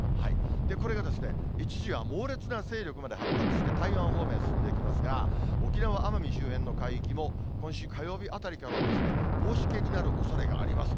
これがですね、一時は猛烈な勢力まで発達して、台湾方面へ進んでいきますが、沖縄・奄美周辺の海域も、今週火曜日あたりからは、大しけになるおそれがあります。